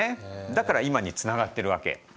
だから今につながってるわけ。